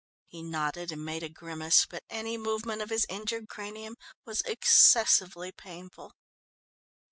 He nodded and made a grimace, but any movement of his injured cranium was excessively painful.